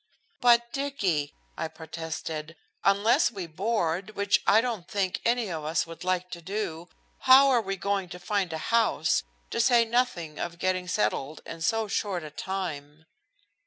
"But, Dicky," I protested, "unless we board, which I don't think any of us would like to do, how are we going to find a house, to say nothing of getting settled in so short a time?"